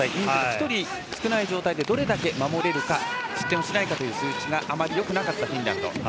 人数が１人少ない状態でどれだけ守れるか失点をしないかという数値があまりよくなかったフィンランド。